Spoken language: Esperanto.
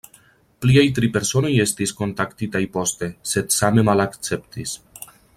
Pliaj tri personoj estis kontaktitaj poste, sed same malakceptis.